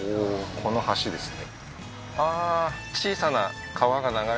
この橋ですね